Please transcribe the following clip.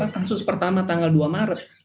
kasus pertama tanggal dua maret